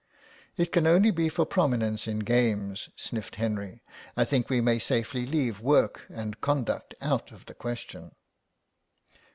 "It can only be for prominence in games," sniffed Henry; "I think we may safely leave work and conduct out of the question."